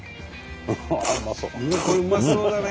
うわっこれうまそうだね。